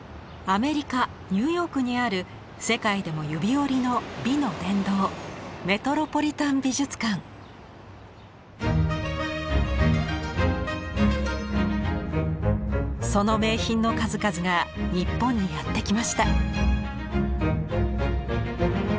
アメリカニューヨークにある世界でも指折りの美の殿堂その名品の数々が日本にやって来ました。